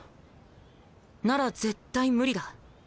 なら絶対無理だ。